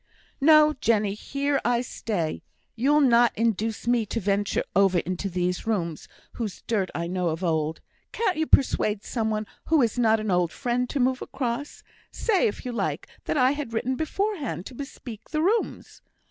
"No, Jenny! here I stay. You'll not induce me to venture over into those rooms, whose dirt I know of old. Can't you persuade some one who is not an old friend to move across? Say, if you like, that I had written beforehand to bespeak the rooms.